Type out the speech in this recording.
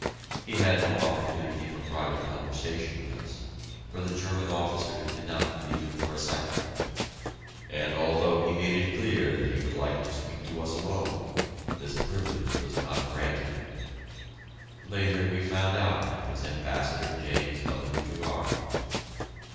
He had no opportunity for private conversation with us, for the German officers did not leave him for a second; and although he made it clear that he would like to speak to us alone this privilege was not granted. Later we found out it was Ambassador James W. Gerard.